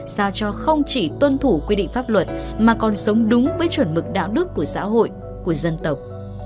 sao cho không chỉ tuân thủ quy định pháp luật mà còn sống đúng với chuẩn mực đạo đức của xã hội của dân tộc